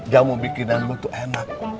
jamu bikinan lu tuh enak